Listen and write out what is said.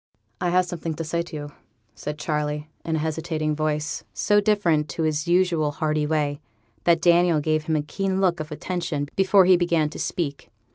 'I have something to say to you,' said Charley, in a hesitating voice, so different to his usual hearty way, that Daniel gave him a keen look of attention before he began to speak.